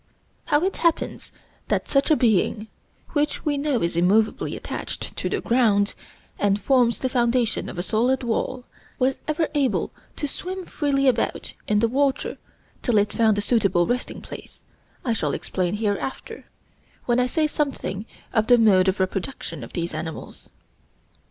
How it happens that such a being, which we know is immovably attached to the ground, and forms the foundation of a solid wall, was ever able to swim freely about in the water till it found a suitable resting place, I shall explain hereafter, when I say something of the mode of reproduction of these animals.